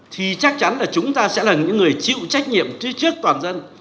thì chắc chắn là chúng ta sẽ là những người chịu trách nhiệm trước toàn dân